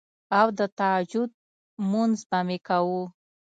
او د تهجد مونځ به مې کوو